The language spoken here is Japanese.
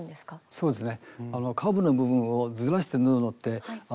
そうですね。